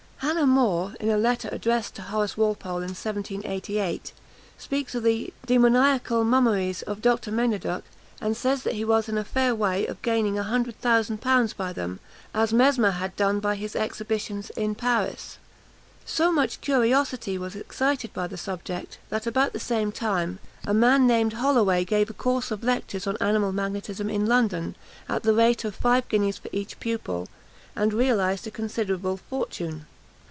Hannah More, in a letter addressed to Horace Walpole in September 1788, speaks of the "demoniacal mummeries" of Dr. Mainauduc, and says he was in a fair way of gaining a hundred thousand pounds by them, as Mesmer had done by his exhibitions in Paris. So much curiosity was excited by the subject, that, about the same time, a man named Holloway gave a course of lectures on animal magnetism in London, at the rate of five guineas for each pupil, and realised a considerable fortune.